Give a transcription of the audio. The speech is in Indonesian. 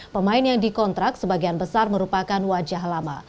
pemain yang dikontrak sebagian besar merupakan wajah lama